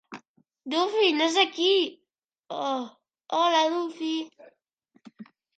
Duffy no és aquí... Oh, hola, Duffy.